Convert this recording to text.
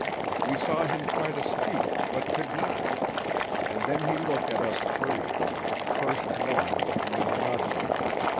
We saw him try to speak, but could not, and then he looked at us three; first one and then another.